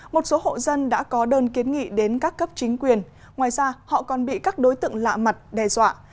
một số hộ dân đã có đơn kiến nghị đến các cấp chính quyền ngoài ra họ còn bị các đối tượng lạ mặt đe dọa